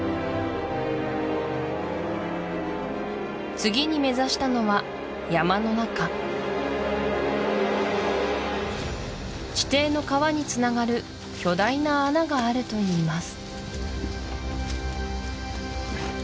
次に目指したのは山の中地底の川につながる巨大な穴があるといいます